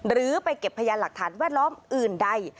หรือไปเก็บพยานหลักฐานแวดล้อมอื่นใด